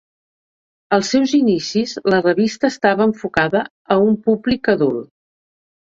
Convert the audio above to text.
Als seus inicis la revista estava enfocada a un públic adult.